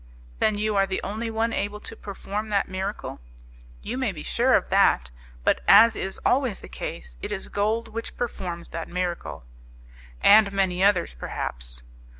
"Then you are the only one able to perform that miracle?" "You may be sure of that; but, as is always the case, it is gold which performs that miracle." "And many others, perhaps."